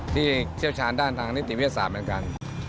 ที่เชี่ยวชาญด้านทางเลี่ยงศพศพสาเหมือนกัน